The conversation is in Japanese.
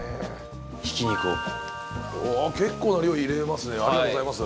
ひき肉をおお結構な量入れますねありがとうございます